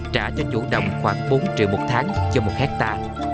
trả cho chủ đồng khoảng bốn triệu một tháng cho một khét tạ